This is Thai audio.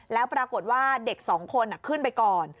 แล้วปรากฏว่าเด็กสองคนขึ้นไปก่อน